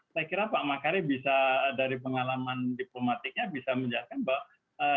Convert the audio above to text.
saya kira pak makari bisa dari pengalaman diplomatiknya bisa menjelaskan bahwa